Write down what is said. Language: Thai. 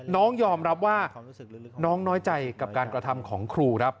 น้องยอมรับว่าน้องน้อยใจกับการกระทำของครูครับ